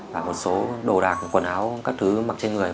và một số đồ đạc quần áo các thứ mặc trên người